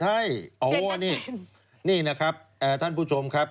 ใช่อ๋อนี่นี่นะครับท่านผู้ชมครับ